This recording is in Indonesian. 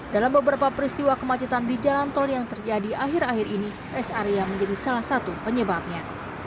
dalam beberapa peristiwa kemacetan di jalan tol yang terjadi akhir akhir ini res area menjadi salah satu penyebabnya